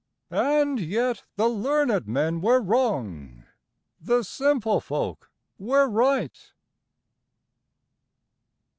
And yet the learned men were wrong, The simple folk were right.